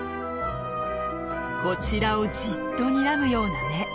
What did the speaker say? こちらをじっとにらむような目。